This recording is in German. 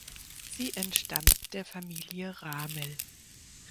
Sie entstammt der Familie Ramel.